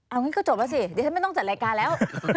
เอางั้นก็จบแล้วสิดิฉันไม่ต้องจัดรายการแล้ว